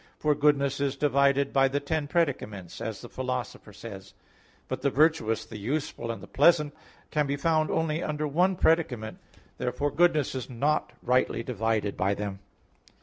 For goodness is divided by the ten predicaments, as the Philosopher says (Ethic. i). But the virtuous, the useful and the pleasant can be found under one predicament. Therefore goodness is not rightly divided by them.